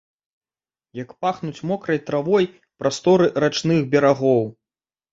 А як пахнуць мокрай травой прасторы рачных берагоў!